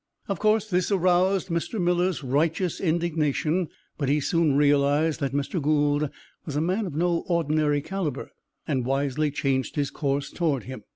Of course, this aroused Mr. Miller's righteous indignation, but he soon realized that Mr. Gould was a man of no ordinary calibre and wisely changed his course toward him.